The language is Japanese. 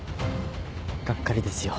がっかりですよ